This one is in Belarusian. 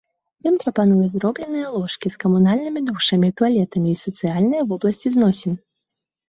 Ён прапануе зробленыя ложкі з камунальнымі душамі і туалетамі, і сацыяльныя вобласці зносін.